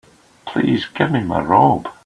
Please give me my robe.